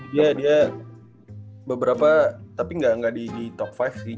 iya dia beberapa tapi nggak di top lima sih